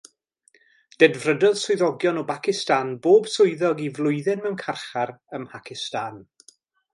Dedfrydodd swyddogion o Bacistan bob swyddog i flwyddyn mewn carchar ym Mhacistan.